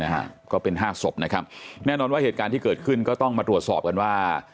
นะฮะก็เป็นห้าศพนะครับแน่นอนว่าเหตุการณ์ที่เกิดขึ้นก็ต้องมาตรวจสอบกันว่า